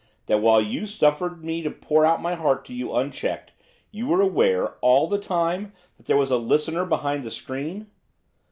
That while you suffered me to pour out my heart to you unchecked, you were aware, all the time, that there was a listener behind the screen?